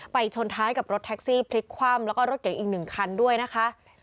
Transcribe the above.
ชนท้ายกับรถแท็กซี่พลิกคว่ำแล้วก็รถเก๋งอีกหนึ่งคันด้วยนะคะ